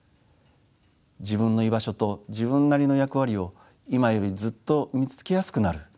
自分の居場所と自分なりの役割を今よりずっと見つけやすくなる。